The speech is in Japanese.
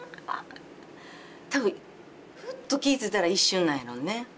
多分ふっと気ぃ付いたら一瞬なんやろうね。